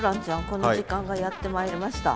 この時間がやって参りました。